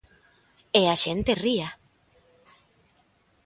¡E a xente ría!